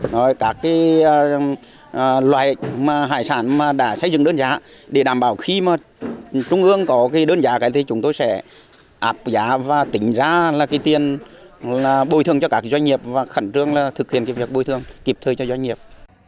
là loại hải sản mà đã xây dựng đơn giá để đảm bảo khi mà trung ương có cái đơn giá thì chúng tôi sẽ áp giá và tính ra là cái tiền bồi thường cho các cái doanh nghiệp và khẩn trương là thực hiện cái việc bồi thường kịp thời cho doanh nghiệp